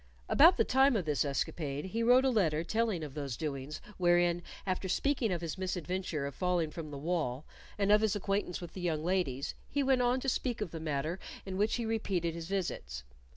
About the time of this escapade he wrote a letter telling of those doings, wherein, after speaking of his misadventure of falling from the wall, and of his acquaintance with the young ladies, he went on to speak of the matter in which he repeated his visits.